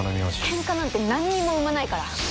けんかなんて何にも生まないから。